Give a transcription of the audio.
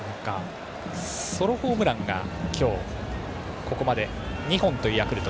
ソロホームランが今日、ここまで２本というヤクルト。